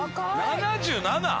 ７７？